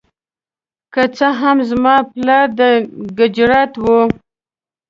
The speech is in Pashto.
که څه هم زما پلار د ګجرات و.